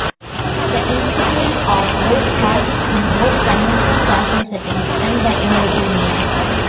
The institution offers classes in both conventional classroom settings and by innovative means.